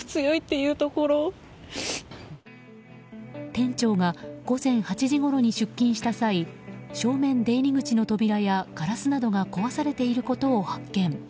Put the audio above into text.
店長が午前８時ごろに出勤した際正面出入り口の扉やガラスなどが壊されていることを発見。